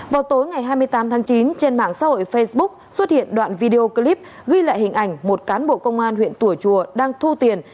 vào tối ngày hai mươi tám tháng chín trên mạng xã hội facebook xuất hiện đoạn video clip ghi lại hình ảnh một cán bộ công an huyện tùa chùa đang thu tiền